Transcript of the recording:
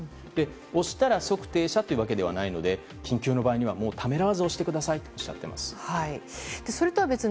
押したら即停車というわけではないので緊急の場合にはためらわず押してくださいとおっしゃっています。